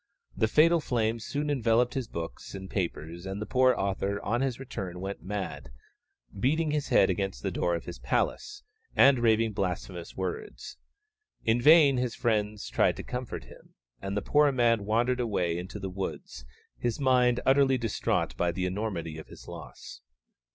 The fatal flame soon enveloped his books and papers, and the poor author on his return went mad, beating his head against the door of his palace, and raving blasphemous words. In vain his friends tried to comfort him, and the poor man wandered away into the woods, his mind utterly distraught by the enormity of his loss.